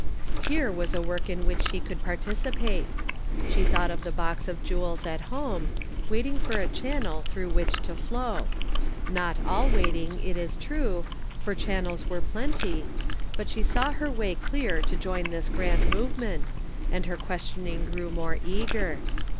Here was a work in which she could partici pate ; she thought of the box of jewels at home, waiting for a channel through which to flow ; not all waiting, it is true, for chan nels were plenty, but she saw her way clear to join this grand movement, and her question ing grew more eager.